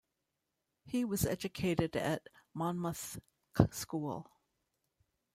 He was educated at Monmouth School.